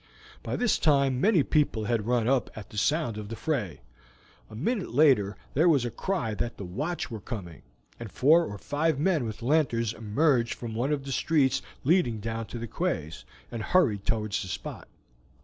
By this time many people had run up at the sound of the fray. A minute later there was a cry that the watch were coming, and four or five men with lanterns emerged from one of the streets leading down to the quays, and hurried towards the spot.